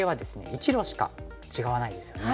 １路しか違わないですよね。